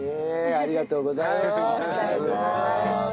ありがとうございます。